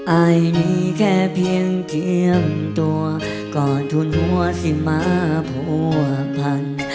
อายมีแค่เพียงตัวก่อนทุนหัวที่มาผัวพัน